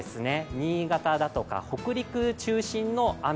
新潟だとか北陸中心の雨、